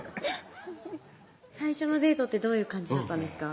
最初のデートってどういう感じだったんですか？